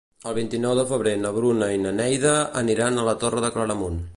El vint-i-nou de febrer na Bruna i na Neida aniran a la Torre de Claramunt.